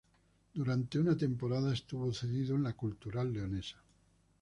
Durante una temporada estuvo cedido en la Cultural Leonesa.